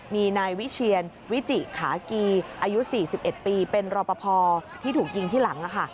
มีนายวิเชียนวิจิขากีอายุ๔๑ปีเป็นรอปภที่ถูกยิงที่หลังค่ะ